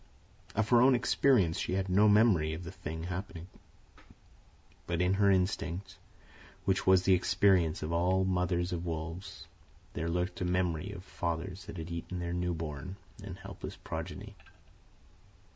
Of her own experience she had no memory of the thing happening; but in her instinct, which was the experience of all the mothers of wolves, there lurked a memory of fathers that had eaten their new born and helpless progeny.